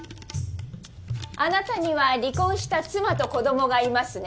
あなたには離婚した妻と子供がいますね